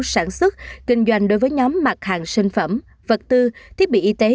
sản xuất kinh doanh đối với nhóm mặt hàng sinh phẩm vật tư thiết bị y tế